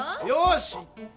よし！